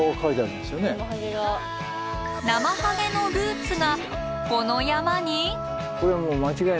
ナマハゲのルーツがこの山に？